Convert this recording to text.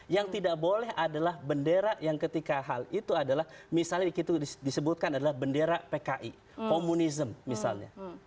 yang tidak boleh adalah bendera yang ketika hal itu adalah misalnya disebutkan adalah bendera pki komunism misalnya